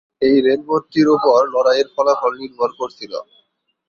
এই রেলপথটির উপর লড়াইয়ের ফলাফল নির্ভর করছিল।